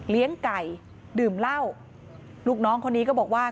ไก่ดื่มเหล้าลูกน้องคนนี้ก็บอกว่า